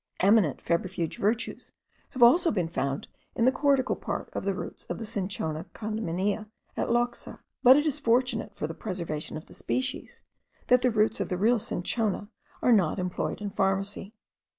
Eminent febrifuge virtues have also been found in the cortical part of the roots of the Cinchona condaminea at Loxa; but it is fortunate, for the preservation of the species, that the roots of the real cinchona are not employed in pharmacy.